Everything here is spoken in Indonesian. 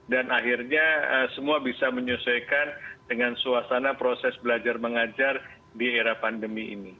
akhirnya semua bisa menyesuaikan dengan suasana proses belajar mengajar di era pandemi ini